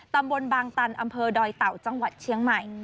ตำบลบางตันอำเภอดอยเต่าจังหวัดเชียงใหม่